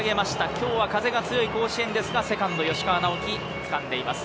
今日は風が強い甲子園ですが、セカンド・吉川尚輝、つかんでいます。